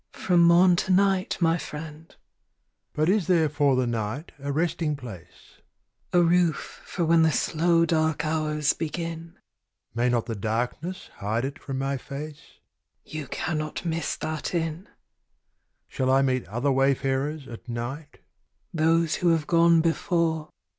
From morn to night, my friend. But is there for the night a resting place? A roof for when the slow dark hours begin. May not the darkness hide it from my face? You cannot miss that inn. Shall I meet other wayfarers at night? Those who have gone before.